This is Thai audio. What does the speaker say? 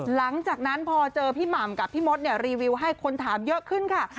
หลังจากนั้นพอเจอพี่หม่ำกับพี่มดรีวิวให้คนถามเยอะขึ้นค่ะ